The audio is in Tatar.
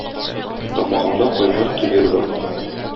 Тамагымда кайнар төер бар.